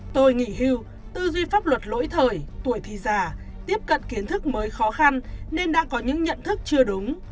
tôi nghỉ hưu tư duy pháp luật lỗi thời tuổi thì già tiếp cận kiến thức mới khó khăn nên đang có những nhận thức chưa đúng